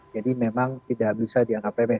jadi memang tidak bisa dianggap remeh